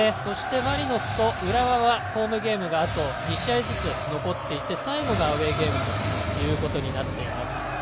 マリノスと浦和はホームゲームがあと１試合ずつ残っていて、最後がアウェーゲームとなっています。